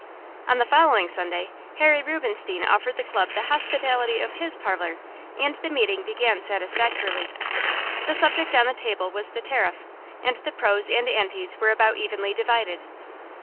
On the following Sunday Harry Rubinstein offered the club the hospitality of his parlor, and the meeting began satisfactorily. The subject on the table was the Tariff, and the pros and antis were about evenly divided.